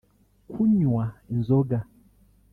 Kunywa inzoga